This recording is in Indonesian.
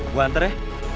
gue hantar ya